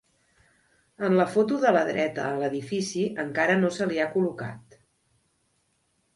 En la foto de la dreta a l'edifici encara no se li ha col·locat.